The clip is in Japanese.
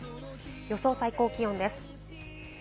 予想最高気温です。